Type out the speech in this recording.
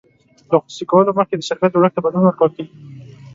له خصوصي کولو مخکې د شرکت جوړښت ته بدلون ورکول کیږي.